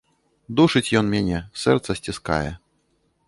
Душыць ён мяне, сэрца сціскае.